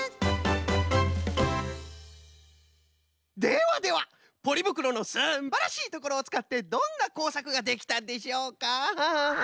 ではではポリぶくろのすんばらしいところをつかってどんなこうさくができたんでしょうか？